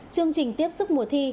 chương trình tiếp xúc mùa thi